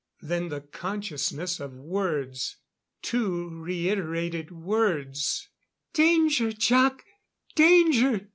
Then the consciousness of words. Two reiterated words: _"Danger! Jac! Danger!